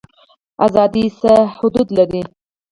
ازادي څه حدود لري؟